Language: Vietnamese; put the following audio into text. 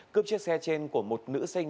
cướp xe trên của một nữ sinh